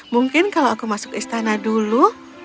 mungkin kalau aku masuk istana dulu